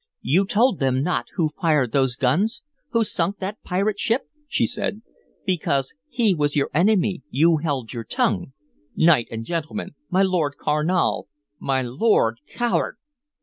"You told them not who fired those guns, who sunk that pirate ship?" she said. "Because he was your enemy, you held your tongue? Knight and gentleman my Lord Carnal my Lord Coward!"